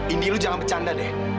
ini lu jangan bercanda deh